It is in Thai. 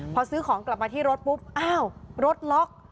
พอซื้อของกลับมาที่รถปุ๊บอ้าวรถล็อก